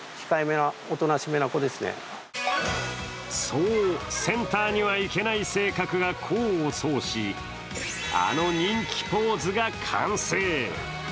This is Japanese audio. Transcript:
そう、センターには行けない性格が功を奏しあの人気ポーズが完成。